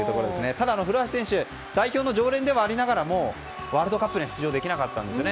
ただ、古橋選手代表の常連ではありながらワールドカップには出場できなかったんですね。